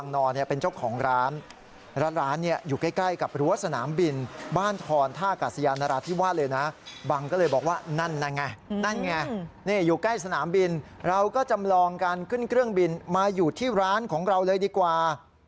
นั่นไงนั่นไงนี่อยู่ใกล้สนามบินเราก็จำลองการขึ้นเครื่องบินมาอยู่ที่ร้านของเราเลยดีกว่า